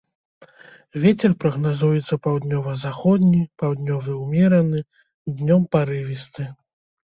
Вецер прагназуецца паўднёва-заходні, паўднёвы ўмераны, днём парывісты.